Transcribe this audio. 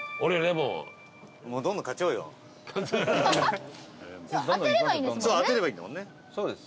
もう、どんどん買っちゃおうよ。